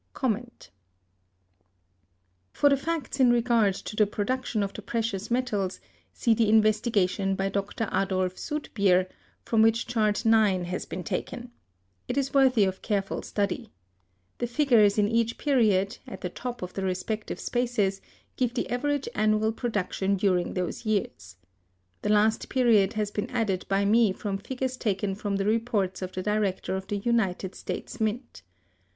For the facts in regard to the production of the precious metals, see the investigation by Dr. Adolf Soetbeer,(230) from which Chart IX has been taken. It is worthy of careful study. The figures in each period, at the top of the respective spaces, give the average annual production during those years. The last period has been added by me from figures taken from the reports of the Director of the United States Mint.